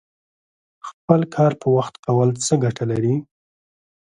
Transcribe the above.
خپل کار په وخت کول څه ګټه لري؟